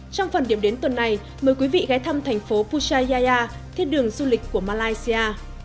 trong phần điểm đến tuần này mời quý vị ghé thăm thành phố pusaya thiên đường du lịch của malaysia